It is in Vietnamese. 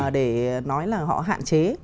để nói là họ hạn chế